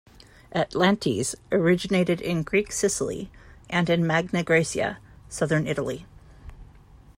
Atlantes originated in Greek Sicily and in Magna Graecia, southern Italy.